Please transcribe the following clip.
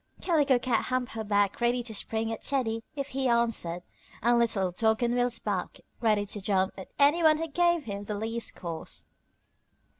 Calico Cat humped her back ready to spring at Teddy if he answered, and Little Dog on wheels barked, ready to jump at any one who gave him the least cause.